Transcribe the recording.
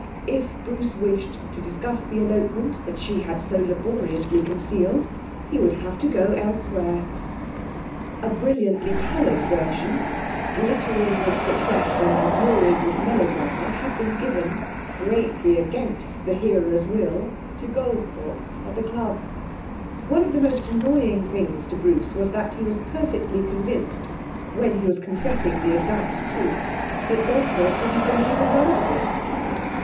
If Bruce wished to discuss the elopement that she had so laboriously concealed, he would have to go elsewhere. A brilliantly coloured version, glittering with success and lurid with melodrama, had been given (greatly against the hearer's will) to Goldthorpe at the club. One of the most annoying things to Bruce was that he was perfectly convinced, when he was confessing the exact truth, that Goldthorpe didn't believe a word of it.